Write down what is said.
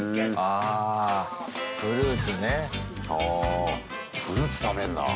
ああフルーツ食べんだ。